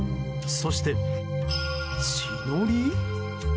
そして、血のり？